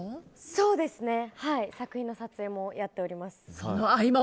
そうですね作品の撮影もやっております。